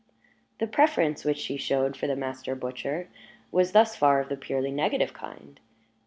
The preference which she showed for the master butcher was thus far of the purely negative kind.